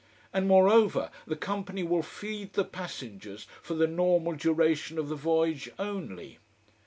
And moreover: "The company will feed the passengers for the normal duration of the voyage only."